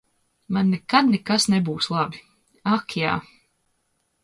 Man nekad nekas nebūs labi. Ak jā.